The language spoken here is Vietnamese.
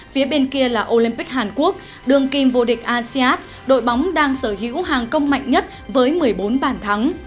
phía bên kia là olympic hàn quốc đường kim vô địch asean đội bóng đang sở hữu hàng công mạnh nhất với một mươi bốn bản thắng